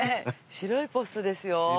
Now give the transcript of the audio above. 白いポストですよ。